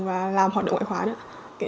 và làm hoạt động ngoại khóa nữa